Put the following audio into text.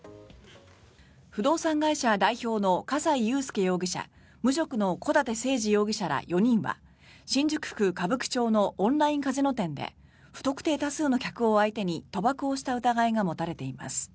不動産会社代表の葛西悠介容疑者無職の小舘誠治容疑者ら４人は新宿区歌舞伎町のオンラインカジノ店で不特定多数の客を相手に賭博をした疑いが持たれています。